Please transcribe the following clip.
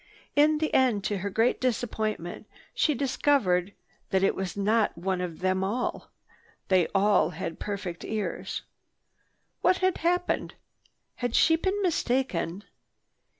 In the end, to her great disappointment, she discovered that it was not one of them all. They all had perfect ears. What had happened? Had she been mistaken?